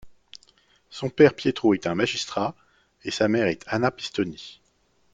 Son père Pietro est un magistrat, et sa mère est Anna Pistoni.